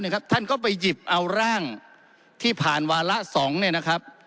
ท่านก็ไปหยิบเอาร่างที่ผ่านวาระ๒เนี่ยนะครับ